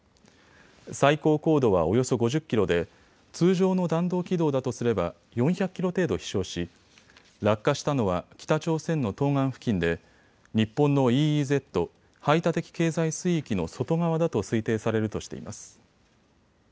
最高高度はおよそ５０キロで通常の弾道軌道だとすれば４００キロ程度、飛しょうし落下したのは北朝鮮の東岸付近で日本のＥＥＺ・排他的経済水域の外側だと推定されるとしています。